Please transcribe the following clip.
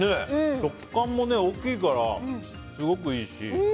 食感も、大きいからすごくいいし。